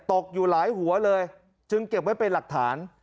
ตกอยู่หลายหัวเลยจึงเก็บไว้เป็นหลักฐาน